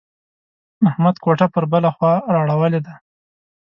احمد کوټه پر بله خوا را اړولې ده.